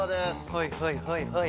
はいはいはいはい。